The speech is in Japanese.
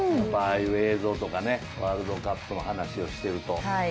ああいう映像とかワールドカップの話をしていると。